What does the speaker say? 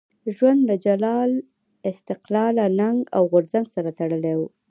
ژوند له جلال، استقلال، ننګ او غورځنګ سره تړلی وو.